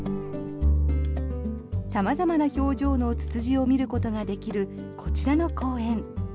様々な表情のツツジを見ることができるこちらの公園。